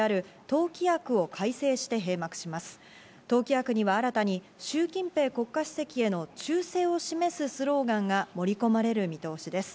党規約には新たにシュウ・キンペイ国家主席への忠誠を示すスローガンが盛り込まれる見通しです。